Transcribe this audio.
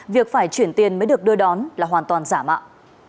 việc phải chuyển tiền mới được đưa đón là hoàn toàn giả mạo